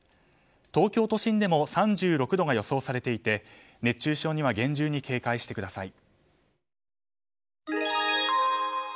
東京都心でも３６度が予想されていて熱中症には厳重に警戒してください。